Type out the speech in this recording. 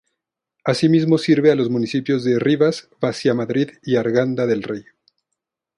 Asimismo sirve a los municipios de Rivas-Vaciamadrid y Arganda del Rey.